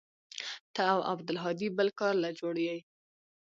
ته او عبدالهادي بل کار له جوړ يې.